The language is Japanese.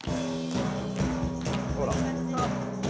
「ほら」